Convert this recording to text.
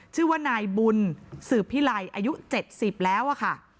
ชื่อว่านายบุญสืบพิไลอายุ๗๐แล้วอะค่ะ